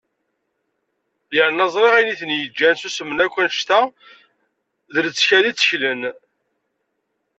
Yerna ẓriɣ ayen i ten-yeǧǧan susmen akk anect-a d lettkal i tteklen.